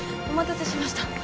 お待たせしました。